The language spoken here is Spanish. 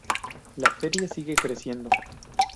La feria sigue creciendo.